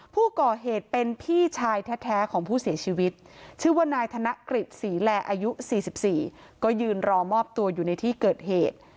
ผู้ก่อเหตุเป็นพี่ชายแท้ของผู้เสียชีวิตชื่อว่านายธนกฤษศรีแลอายุ๔๔ก็ยืนรอมอบตัวอยู่ในที่เกิดเหตุ